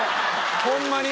ホンマに！